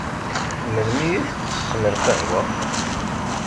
Melmi i tettessem lqahwa?